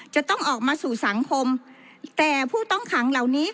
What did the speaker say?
จะต้องออกมาสู่สังคมแต่ผู้ต้องขังเหล่านี้